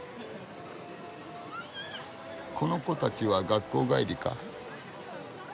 この子たちは学校帰りか。